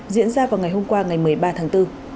diễn ra vào ngày hôm qua ngày một mươi ba tháng bốn